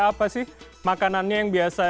apa sih makanannya yang biasa